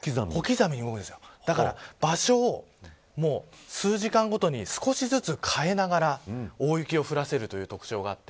だから、場所を数時間ごとに少しずつ変えながら大雪を降らせる特徴があります。